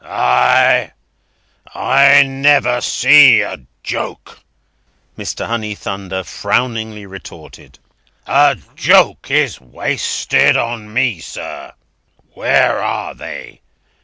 Ay; I never see a joke," Mr. Honeythunder frowningly retorted. "A joke is wasted upon me, sir. Where are they?